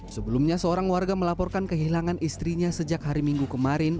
sebelumnya seorang warga melaporkan kehilangan istrinya sejak hari minggu kemarin